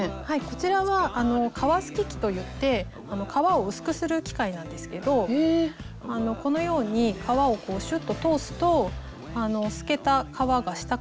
こちらは革すき機といって革を薄くする機械なんですけどこのように革をこうシュッと通すとすけた革が下から出てきます。